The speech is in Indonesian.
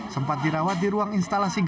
sempat dirawat di ruang instalasi